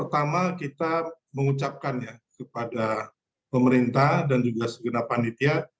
dan pertama kita mengucapkannya kepada pemerintah dan juga segenap panitia